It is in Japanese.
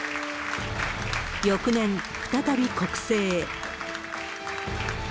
翌年、再び国政へ。